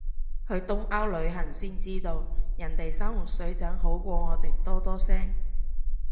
去東歐旅行先知道，人哋生活水準好過我哋多多聲